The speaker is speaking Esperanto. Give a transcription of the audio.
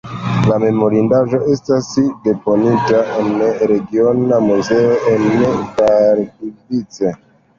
La memorindaĵo estas deponita en regiona muzeo en Pardubice.